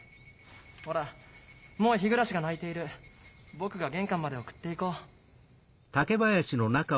ほらもうヒグラシが鳴いている僕が玄関まで送って行こう。